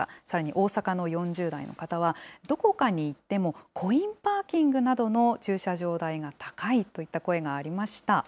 さらに大阪の４０代の方は、どこかに行ってもコインパーキングなどの駐車場代が高いといった声がありました。